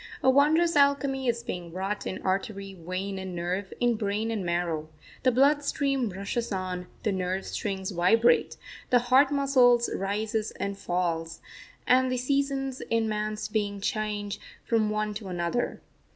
A wondrous alchemy is being wrought in artery, vein, and nerve, in brain and marrow. The blood stream rushes on, the nerve strings vibrate, the heart muscle rises and falls, and the seasons in man's being change from one to another.